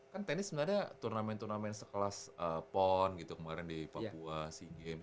kan tenis sebenarnya ada turnamen turnamen sekelas pon gitu kemarin di papua seagame